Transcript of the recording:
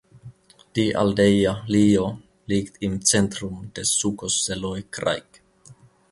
Die Aldeia Lio liegt im Zentrum des Sucos Seloi Craic.